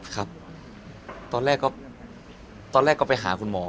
ครับตอนแรกก็ตอนแรกก็ไปหาคุณหมอ